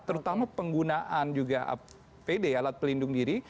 terutama penggunaan juga apd alat pelindung diri